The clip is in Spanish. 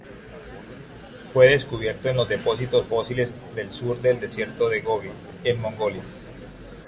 Fue descubierto en los depósitos fósiles del sur del desierto de Gobi, en Mongolia.